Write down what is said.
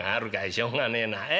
しょうがねえな。え？